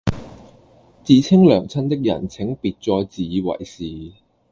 自稱娘親的人請別再自以為是